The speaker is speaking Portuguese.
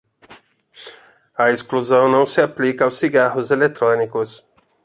A exclusão não se aplica aos cigarros eletrónicos.